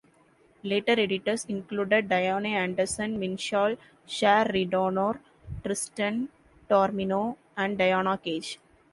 Later editors included Diane Anderson-Minshall, Shar Rednour, Tristan Taormino, and Diana Cage.